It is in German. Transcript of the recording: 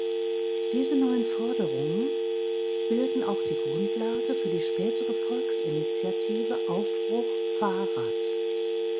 Diese neun Forderungen bilden auch die Grundlage für die spätere Volksinitiative Aufbruch Fahrrad.